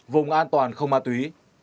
vùng an toàn không ma túy